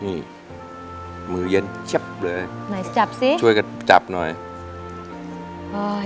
อืมมือเย็นชับเลยไหนจับสิช่วยกันจับหน่อยโอ้ย